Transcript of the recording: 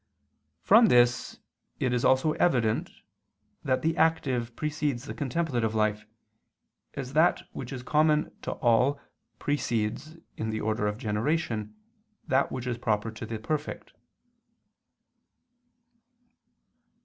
From this it is also evident that the active precedes the contemplative life, as that which is common to all precedes, in the order of generation, that which is proper to the perfect.